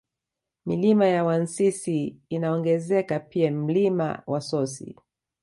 Milima ya Wansisi inaongezeka pia Mlima Wasosi